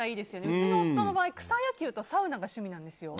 うちの夫の場合草野球とサウナが趣味なんですよ。